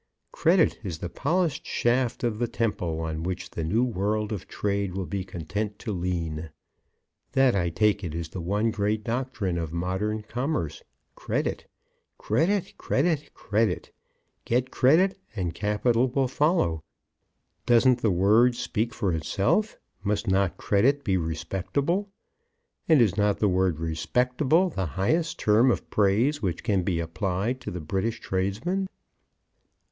Credit is the polished shaft of the temple on which the new world of trade will be content to lean. That, I take it, is the one great doctrine of modern commerce. Credit, credit, credit. Get credit, and capital will follow. Doesn't the word speak for itself? Must not credit be respectable? And is not the word "respectable" the highest term of praise which can be applied to the British tradesman?